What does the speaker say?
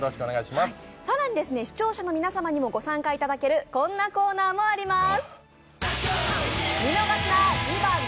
更に視聴者の皆様にもご参加いただける、こんなコーナーもあります。